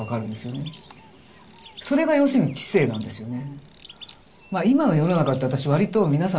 それが要するに知性なんですよね。